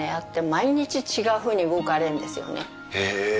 毎日違うふうに動かれんですよねえ！